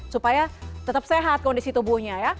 supaya tetap sehat kondisi tubuhnya ya